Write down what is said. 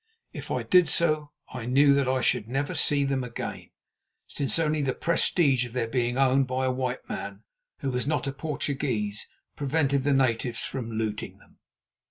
If I did so, I knew that I should never see them again, since only the prestige of their being owned by a white man who was not a Portuguese prevented the natives from looting them.